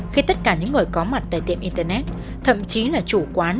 thì hai thanh niên lại tiếp tục có hành vi hăm dọa chủ quán